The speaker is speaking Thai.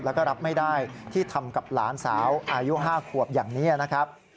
แล้วก็รับไม่ได้ที่ทำกับหลานสาวอายุ๕ขวบอย่างนี้นะครับ